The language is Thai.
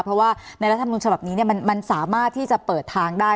เพราะว่าในรัฐมนุนฉบับนี้มันสามารถที่จะเปิดทางได้